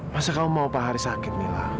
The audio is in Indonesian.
masa kamu mau pak haris sakit mila